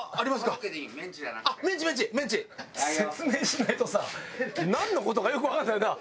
説明しないとさなんの事かよくわかんないなあ。